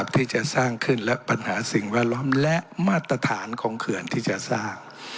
ที่จะสร้างขึ้นและปัญหาสิ่งแวดล้อมและมาตรฐานของเขื่อนที่จะสร้าง